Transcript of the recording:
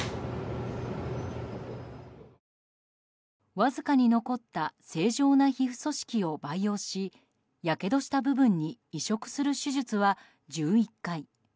わずかに残った正常な皮膚組織を培養しやけどした部分に移植する手術は１１回。